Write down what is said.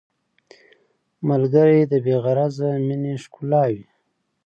ملګری د بې غرضه مینې ښکلا وي